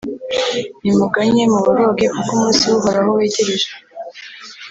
Nimuganye, muboroge, kuko umunsi w’Uhoraho wegereje,